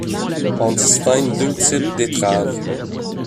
On distingue deux types d’étraves.